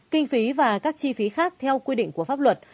kinh phí và các chi phí khác theo quy định của pháp luật